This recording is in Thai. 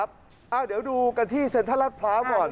เดี๋ยวดูกันที่เซ็นทรัลรัฐพร้าวก่อน